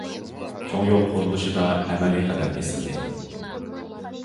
چوڭ يول قۇرۇلۇشىدا ئەمەلىي قەدەم بېسىلدى.